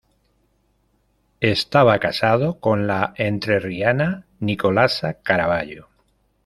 Estaba casado con la entrerriana Nicolasa Caraballo.